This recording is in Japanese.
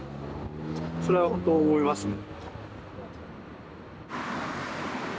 それはほんと思いますね。